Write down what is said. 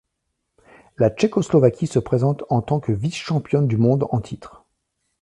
La Tchécoslovaquie se présente en tant que vice-championne du monde en titre.